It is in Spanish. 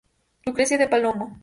Lucrecia de Palomo.